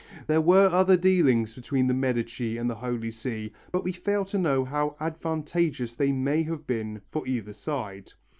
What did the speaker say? There were other dealings between the Medici and the Holy See, but we fail to know how advantageous they may have been for either side.